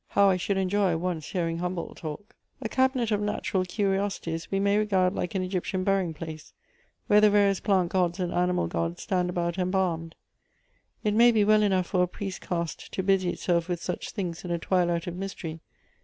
How I should enjoy once hearing Humboldt talk !"" A cabinet 6f natural curiosities we may regard liiie an Egyptian burying place, where the various plant gods and animal gods stand about embalmed. It may be well enough for a priest caste to busy itself with such things in a twilight of mystery.